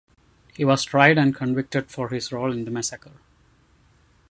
He was tried and convicted for his role in the massacre.